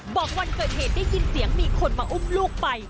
บอกวันเกิดเหตุได้ยินเสียงมีคนมาอุ้มลูกไป